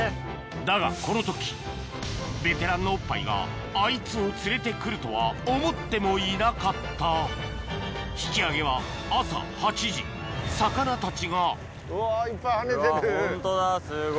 だがこの時ベテランのおっぱいがあいつを連れて来るとは思ってもいなかった引き上げは朝８時魚たちがうわホントだ。